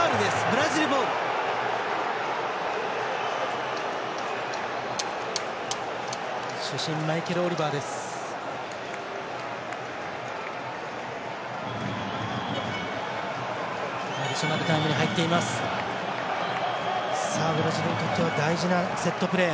ブラジルにとっては大事なセットプレー。